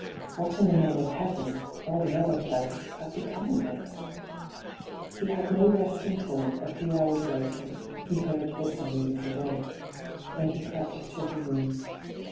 What in the name of heaven, or the other place, had become of it ? He had no rest until, a few hours later, he heard that Zoe was awake. Then he crept to her room.